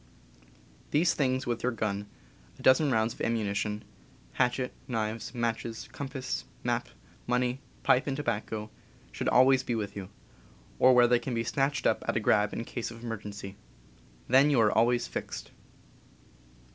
These things with your gun, a dozen rounds of am munition, hatchet, knives, matches, compass, map, money, pipe and tobacco, should always be with you, or where they can be snatched up at a grab in case of emergency. Then you are always "fixed."